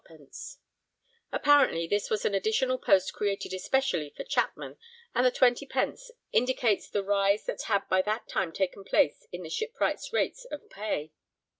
_ Apparently this was an additional post created especially for Chapman, and the 20_d._ indicates the rise that had by that time taken place in the shipwrights' rates of pay.